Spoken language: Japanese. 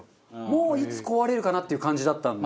もういつ壊れるかなっていう感じだったんで。